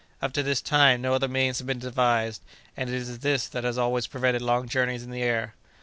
Up to this time no other means have been devised, and it is this that has always prevented long journeys in the air."